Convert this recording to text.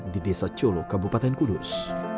di desa colo kabupaten kudus